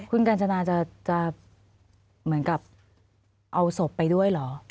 คุณกัญจนาจะเหมือนกับเอาศพไปด้วยเหรอ